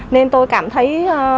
nên tôi cảm thấy